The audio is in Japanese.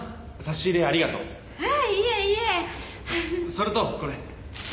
それとこれ。